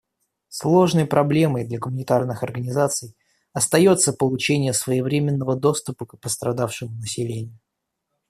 Сложной проблемой для гуманитарных организаций остается получение своевременного доступа к пострадавшему населению.